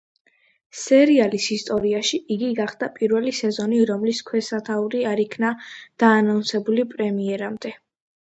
სერიალის ისტორიაში იგი გახდა პირველი სეზონი რომლის ქვესათაური არ იქნა დაანონსებული პრემიერამდე.